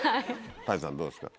谷さん、どうですか。